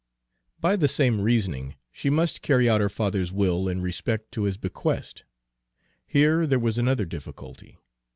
By the same reasoning, she must carry out her father's will in respect to this bequest. Here there was another difficulty.